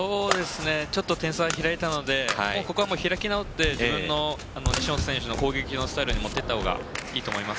点差が開いたのでここは開き直って自分の西本選手の攻撃のスタイルに持っていったほうがいいと思います。